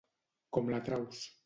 Com la Traus.